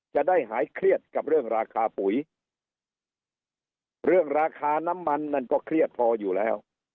จะได้หายเครียดกับเรื่องราคาปุ๋ยเรื่องราคาน้ำมันนั่นก็เครียดพออยู่แล้ว